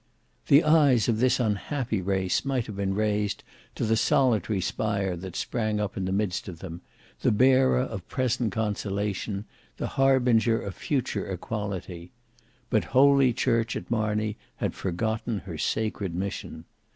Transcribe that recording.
The eyes of this unhappy race might have been raised to the solitary spire that sprang up in the midst of them, the bearer of present consolation, the harbinger of future equality; but Holy Church at Marney had forgotten her sacred mission.